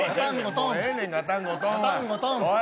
ええねん、ガタンゴトンは。